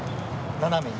斜めに。